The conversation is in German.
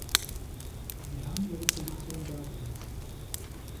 Sie haben Ihre Position dargelegt.